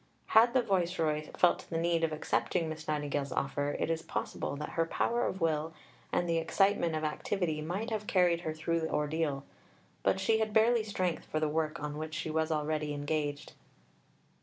Had the Viceroy felt the need of accepting Miss Nightingale's offer, it is possible that her power of will and the excitement of activity might have carried her through the ordeal; but she had barely strength for the work on which she was already engaged.